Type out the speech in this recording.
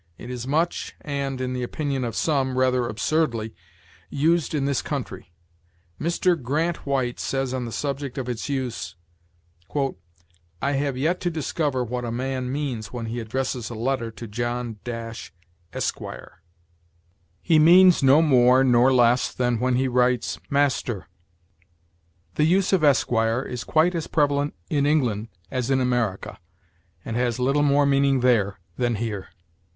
It is much, and, in the opinion of some, rather absurdly, used in this country. Mr. Richard Grant White says on the subject of its use: "I have yet to discover what a man means when he addresses a letter to John Dash, Esqr." He means no more nor less than when he writes Mr. (master). The use of Esq. is quite as prevalent in England as in America, and has little more meaning there than here.